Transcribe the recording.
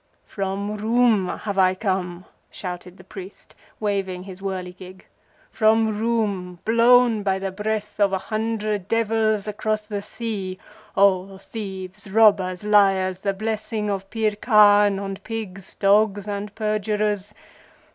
"From Roum have I come," shouted the priest, waving his whirligig; "from Roum, blown by the breath of a hundred devils across the sea! O thieves, robbers, liars, the blessing of Pir Khan on pigs, dogs, and perjurers!